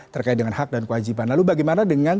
terkait dengan hak dan kewajiban lalu bagaimana dengan